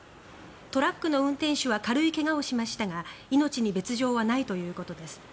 トラックの運転手は軽い怪我をしましたが命に別条はないということです。